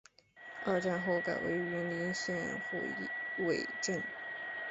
二战后改为云林县虎尾镇。